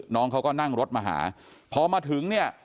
น้องเขาก็นั่งรถมาหาพอมาถึงเนี่ย